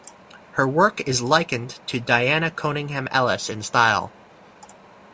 Her work is likened to Diana Conyngham Ellis in style.